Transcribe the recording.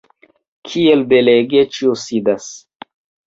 kiel bonege ĉio sidas!